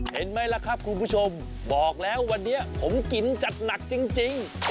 เห็นไหมล่ะครับคุณผู้ชมบอกแล้ววันนี้ผมกินจัดหนักจริง